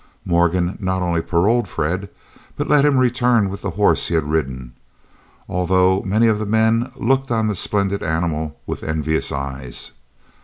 Morgan not only paroled Fred, but let him return with the horse he had ridden, although many of the men looked on the splendid animal with envious eyes.